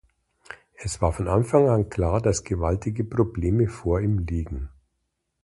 Es war von Anfang an klar, dass gewaltige Probleme vor ihm liegen.